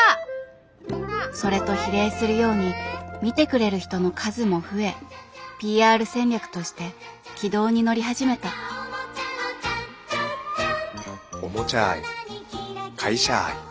それと比例するように見てくれる人の数も増えＰＲ戦略として軌道に乗り始めたおもちゃ愛会社愛